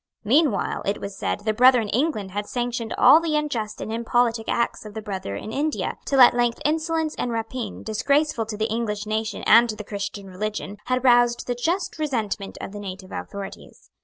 Meanwhile, it was said, the brother in England had sanctioned all the unjust and impolitic acts of the brother in India, till at length insolence and rapine, disgraceful to the English nation and to the Christian religion, had roused the just resentment of the native authorities.